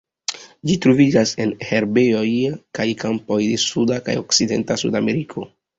Ĝi troviĝas en herbejoj kaj kampoj de suda kaj okcidenta Sudameriko.